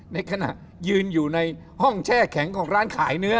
ในขณะยืนอยู่ในห้องแช่แข็งของร้านขายเนื้อ